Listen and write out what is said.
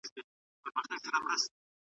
د شهرت له معرفته عبادته